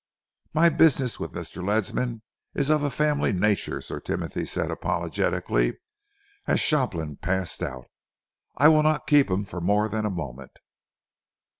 "My business with Mr. Ledsam is of a family nature," Sir Timothy said apologetically, as Shopland passed out. "I will not keep him for more than a moment."